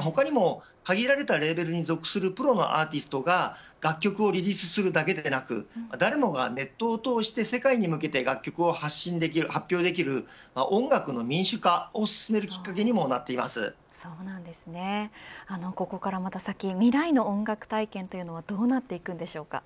他にも限られたレーベルに属するプロのアーティストが楽曲をリリースするだけでなく誰もがネットを通して世界に向けて楽曲を発信できる発表できる音楽の民主化を進めるきっかけにもここから先未来の音楽体験というのはどうなっていくのでしょうか。